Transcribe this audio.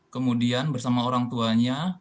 kemudian bersama orang tuanya